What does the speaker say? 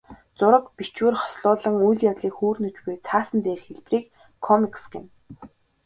Зураг, бичвэр хослуулан үйл явдлыг хүүрнэж буй цаасан дээрх хэлбэрийг комикс гэнэ.